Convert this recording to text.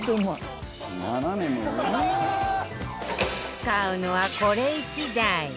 使うのはこれ１台